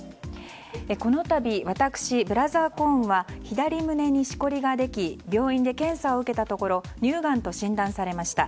このたび私、ブラザー・コーンは左胸にしこりができ病院で検査を受けたところ乳がんと診断されました。